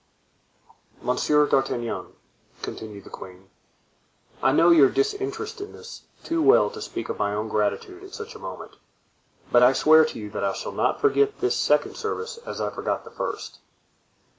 "Monsieur d'Artagnan," continued the queen, "I know your disinterestedness too well to speak of my own gratitude at such a moment, but I swear to you that I shall not forget this second service as I forgot the first."